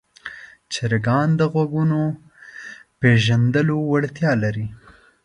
چرګان د غږونو پېژندلو وړتیا لري.